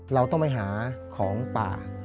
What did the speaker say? เราต้องไปหาของป่า